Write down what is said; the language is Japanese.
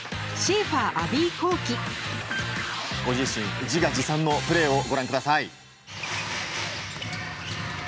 ご自身自画自賛のプレーをご覧ください。